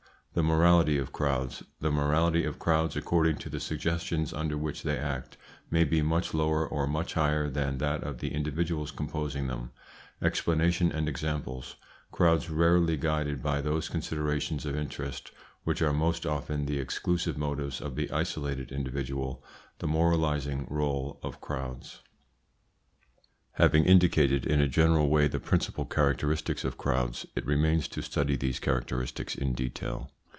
THE MORALITY OF CROWDS. The morality of crowds, according to the suggestions under which they act, may be much lower or much higher than that of the individuals composing them Explanation and examples Crowds rarely guided by those considerations of interest which are most often the exclusive motives of the isolated individual The moralising role of crowds. Having indicated in a general way the principal characteristics of crowds, it remains to study these characteristics in detail.